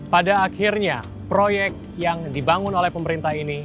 pada akhirnya proyek yang dibangun oleh pemerintah ini